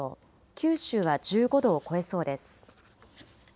九州は１５度を超えそうです。